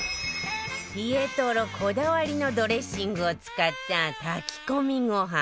ピエトロこだわりのドレッシングを使った炊き込みご飯